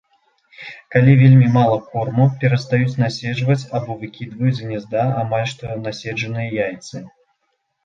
Калі вельмі мала корму, перастаюць наседжваць або выкідваюць з гнязда амаль што наседжаныя яйцы.